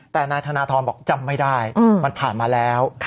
แต่นายธนทรบอกจำไม่ได้มันผ่านมาแล้ว